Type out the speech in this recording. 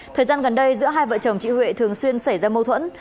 thời gian gần đây giữa hai vợ chồng chị huệ thường xuyên xảy ra mâu thuẫn